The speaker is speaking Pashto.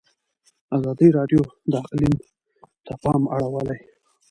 ازادي راډیو د اقلیم ته پام اړولی.